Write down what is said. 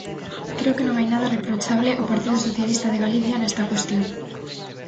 Creo que non hai nada reprochable ao Partido Socialista de Galicia nesta cuestión.